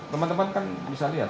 teman teman kan bisa lihat